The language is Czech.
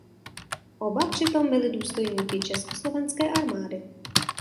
Oba přitom byli důstojníky československé armády.